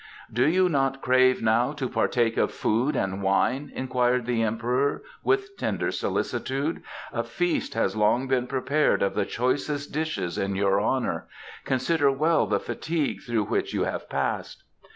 "Do you not crave now to partake of food and wine?" inquired the Emperor, with tender solicitude. "A feast has long been prepared of the choicest dishes in your honour. Consider well the fatigue through which you have passed."